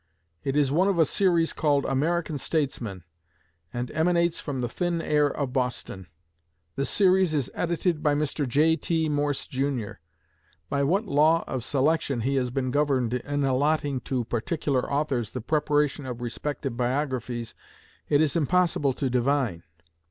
It is one of a series called "American Statesmen," and emanates from the thin air of Boston. The series is edited by Mr. J. T. Morse, Jr. By what law of selection he has been governed in allotting to particular authors the preparation of respective biographies it is impossible to divine.